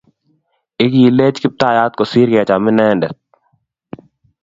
Igiilech Kiptayat kosir kecham inendet